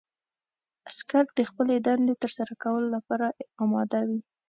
عسکر د خپلې دندې ترسره کولو لپاره اماده وي.